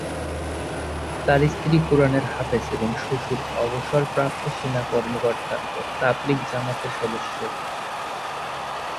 তার স্ত্রী কুরআনের হাফেজ এবং শ্বশুর অবসরপ্রাপ্ত সেনা কর্মকর্তা ও তাবলিগ জামাতের সদস্য।